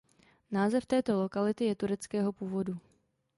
Název této lokality je tureckého původu.